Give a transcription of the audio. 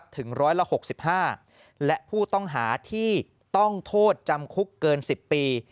ถึง๑๖๕และผู้ต้องหาที่ต้องโทษจำคุกเกิน๑๐ปี